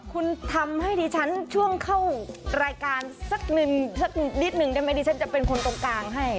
คุณทำให้ดิฉันช่วงเข้ารายการสักหนึ่งสักนิดนึงได้ไหมดิฉันจะเป็นคนตรงกลางให้